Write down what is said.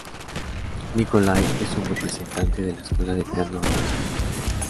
Nikolay es un representante de la escuela de piano rusa.